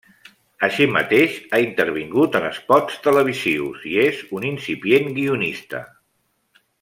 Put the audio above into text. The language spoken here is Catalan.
Així mateix, ha intervingut en espots televisius i és un incipient guionista.